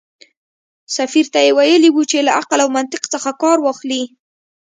سفیر ته یې ویلي و چې له عقل او منطق څخه کار واخلي.